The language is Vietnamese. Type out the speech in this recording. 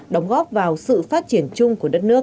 đóng góp vào sự phát triển chung của đất nước